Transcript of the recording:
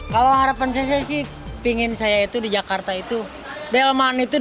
kalau harapan saya sih pingin saya itu di jakarta itu delman itu